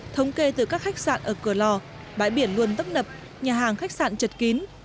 thống kê từ các khách sạn ở cửa lò bãi biển luôn tấp nập nhà hàng khách sạn chật kín